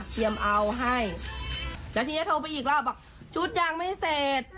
เชียมเอาให้แล้วทีนี้โทรไปอีกแล้วบอกชุดยังไม่เสร็จ